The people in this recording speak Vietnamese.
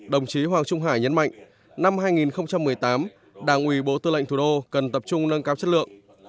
đồng chí hoàng trung hải nhấn mạnh năm hai nghìn một mươi tám đảng ủy bộ tư lệnh thủ đô cần tập trung nâng cao chất lượng